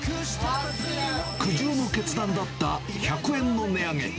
苦渋の決断だった１００円の値上げ。